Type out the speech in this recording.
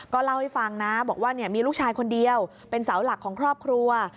เล่าให้ฟังนะบอกว่ามีลูกชายคนเดียวเป็นเสาหลักของครอบครัว